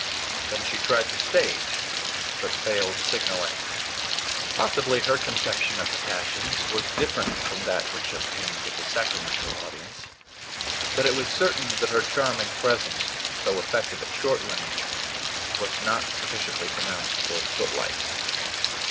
Then she tried the stage, but failed signally. Possibly her conception of the passions was different from that which obtained with a Sacramento audience; but it was certain that her charming presence, so effective at short range, was not sufficiently pronounced for the footlights.